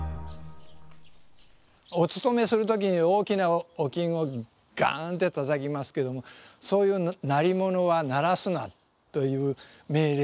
お勤めする時に大きなおをガーンて叩きますけどもそういう鳴り物は鳴らすなという命令が出たそうですね。